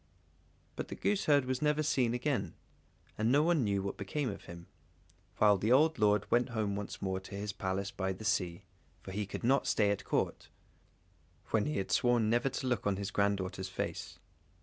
But the gooseherd was never seen again, and no one knew what became of him; while the old lord went home once more to his Palace by the sea, for he could not stay at Court, when he had sworn never to look on his granddaughter's face.